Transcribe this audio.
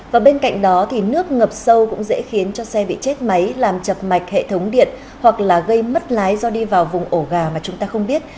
và bên cạnh đó thì nước ngập sâu cũng dễ khiến cho xe bị chết máy làm chập mạch hệ thống điện hoặc là gây mất lái do đi vào vùng ổ gà mà chúng ta không biết